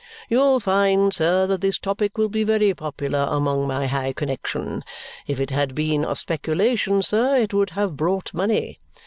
You'll find, sir, that this topic will be very popular among my high connexion. If it had been a speculation, sir, it would have brought money.